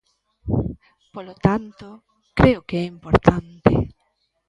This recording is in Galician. Polo tanto, creo que é importante.